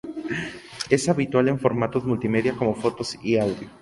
Es habitual en formatos multimedia como fotos y audio.